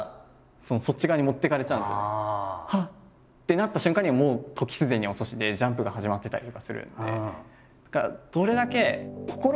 なった瞬間にはもう時すでに遅しでジャンプが始まってたりとかするんで。